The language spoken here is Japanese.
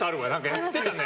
やってたね。